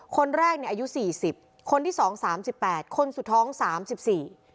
คนแรกเนี่ยอายุสี่สิบคนที่สองสามสิบแปดคนสุดท้องสามสิบสี่